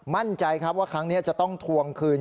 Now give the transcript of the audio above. มั่นใจครับว่าครั้งนี้จะต้องทวงคืน